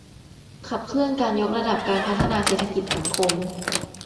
ขับเคลื่อนการยกระดับการพัฒนาเศรษฐกิจ สังคม